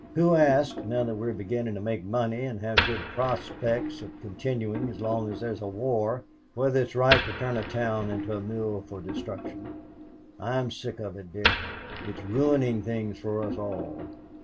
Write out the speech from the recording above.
Who asks, now that we are beginning to make money and have good prospects of continuing as long as there's a war, whether it's right to turn a town into a mill for destruction? I'm sick of it, Dick. It's ruining things for us all.